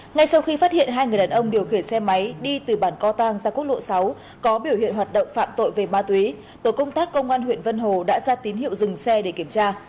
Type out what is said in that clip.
ngay sau khi phát hiện hai người đàn ông điều khiển xe máy đi từ bản co tăng ra quốc lộ sáu có biểu hiện hoạt động phạm tội về ma túy tổ công tác công an huyện vân hồ đã ra tín hiệu dừng xe để kiểm tra